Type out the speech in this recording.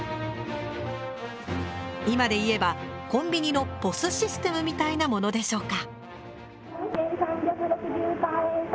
今でいえばコンビニのＰＯＳシステムみたいなものでしょうか。